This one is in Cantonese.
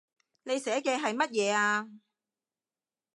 你寫嘅係乜嘢呀